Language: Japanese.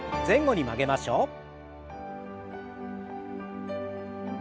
前後に曲げましょう。